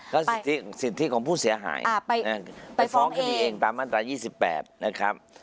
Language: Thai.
เขาเรียกสิทธิ์ของผู้เสียหายไปฟ้องคดีเองตามอันตราย๒๘นะครับ